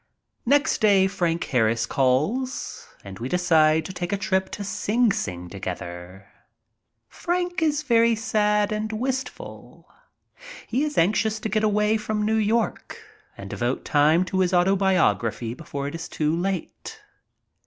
Next day Frank Harris calls and we decide to take a trip to Sing Sing together. Frank is very sad and wistful. He is anxious to get away from New York and devote time to his autobiography before it is too late.